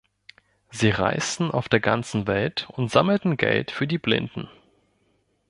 Sie reisten auf der ganzen Welt und sammelten Geld für die Blinden.